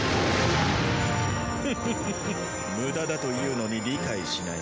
フフフフムダだというのに理解しない。